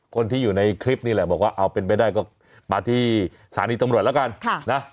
คนที่อยู่ในคลิปนี่แหละบอกว่าเอาเป็นไปได้ก็มาที่สถานีตำรวจแล้วกันนะ